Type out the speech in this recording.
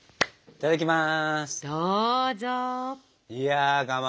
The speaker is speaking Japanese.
いただきます。